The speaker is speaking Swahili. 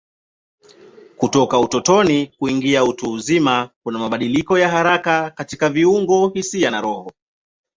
Kutoka utotoni kuingia utu uzima kuna mabadiliko ya haraka katika viungo, hisia na roho.